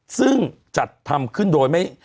ซึ่งจัดทำขึ้นโดยไม่